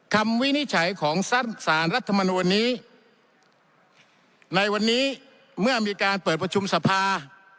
วินิจฉัยของสั้นสารรัฐมนูลนี้ในวันนี้เมื่อมีการเปิดประชุมสภา